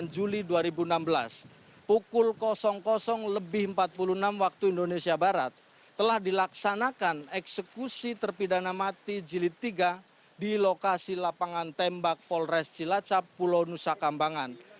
sembilan juli dua ribu enam belas pukul lebih empat puluh enam waktu indonesia barat telah dilaksanakan eksekusi terpidana mati jilid tiga di lokasi lapangan tembak polres cilacap pulau nusa kambangan